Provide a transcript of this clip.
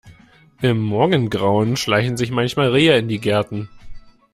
Im Morgengrauen schleichen sich manchmal Rehe in die Gärten.